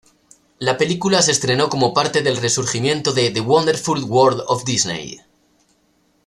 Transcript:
La película se estrenó como parte del resurgimiento de The Wonderful World of Disney.